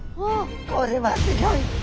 これはすギョい。